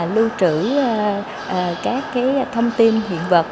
lưu trữ các thông tin hiện vật